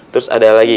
terus ada lagi